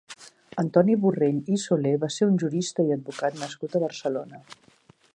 Antoni Borrell i Soler va ser un jurista i advocat nascut a Barcelona.